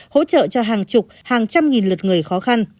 hỗ trợ cho hàng chục hàng trăm nghìn lượt người khó khăn